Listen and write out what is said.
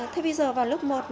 thế bây giờ vào lớp một